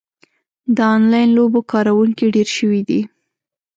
د انلاین لوبو کاروونکي ډېر شوي دي.